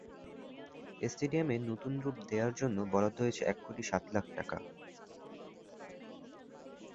স্টেডিয়ামের নতুন রূপ দেওয়ার জন্য বরাদ্দ হয়েছে এক কোটি সাত লাখ টাকা।